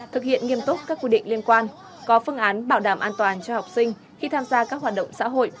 thực hiện nghiêm túc các quy định liên quan có phương án bảo đảm an toàn cho học sinh khi tham gia các hoạt động xã hội